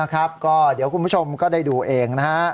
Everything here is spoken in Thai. ก็เดี๋ยวคุณผู้ชมก็ได้ดูเองนะฮะ